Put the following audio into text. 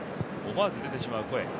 思わず出てしまう声。